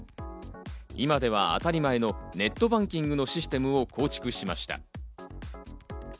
今では当たり前のネットバンキングのシステムを構築しました。